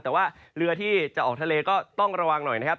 แต่ว่าเรือที่จะออกทะเลก็ต้องระวังหน่อยนะครับ